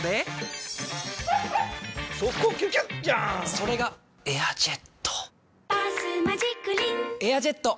それが「エアジェット」「バスマジックリン」「エアジェット」！